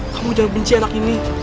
kamu jawab benci anak ini